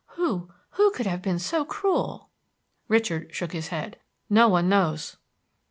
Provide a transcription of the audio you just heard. "Who who could have been so cruel?" Richard shook his head. "No one knows."